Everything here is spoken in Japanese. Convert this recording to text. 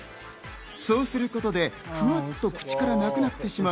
そうすることでフワっと、口からなくなってしまう。